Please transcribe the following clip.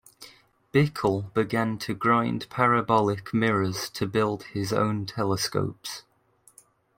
Bickel began to grind parabolic mirrors to build his own telescopes.